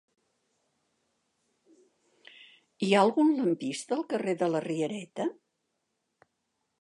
Hi ha algun lampista al carrer de la Riereta?